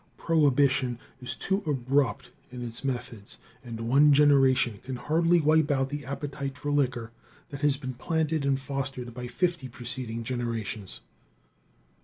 Prohibition is too abrupt in its methods, and one generation can hardly wipe out the appetite for liquor that has been planted and fostered by fifty preceding generations.